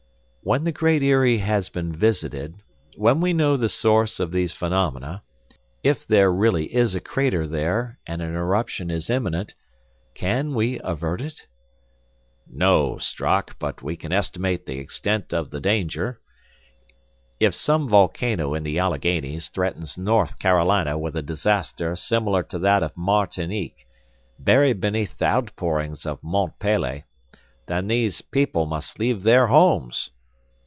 "When the Great Eyrie has been visited, when we know the source of these phenomena, if there really is a crater there and an eruption is imminent, can we avert it?" "No, Strock; but we can estimate the extent of the danger. If some volcano in the Alleghanies threatens North Carolina with a disaster similar to that of Martinique, buried beneath the outpourings of Mont Pelee, then these people must leave their homes."